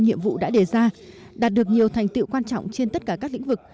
nhiệm vụ đã đề ra đạt được nhiều thành tiệu quan trọng trên tất cả các lĩnh vực